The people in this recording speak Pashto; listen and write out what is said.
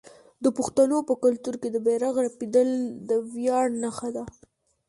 د پښتنو په کلتور کې د بیرغ رپیدل د ویاړ نښه ده.